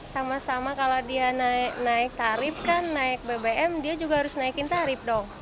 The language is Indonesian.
sama sama kalau dia naik tarif kan naik bbm dia juga harus naikin tarif dong